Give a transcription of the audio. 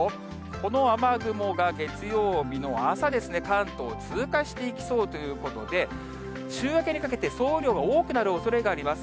この雨雲が月曜日の朝ですね、関東を通過していきそうということで、週明けにかけて、総雨量が多くなるおそれがあります。